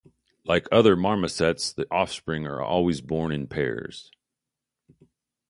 Like other marmosets, the offspring are always born in pairs.